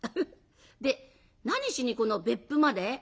で何しにこの別府まで？」。